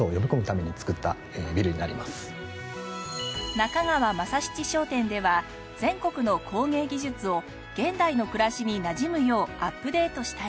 中川政七商店では全国の工芸技術を現代の暮らしになじむようアップデートしたり。